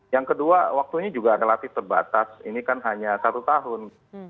yang kedua waktunya juga relatif terbatas ini kan hanya satu tahun